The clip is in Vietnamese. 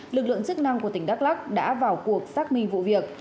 lực lượng chức năng của tỉnh đắk lắc đã vào cuộc xác minh vụ việc